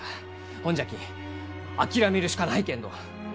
ほんじゃき諦めるしかないけんど！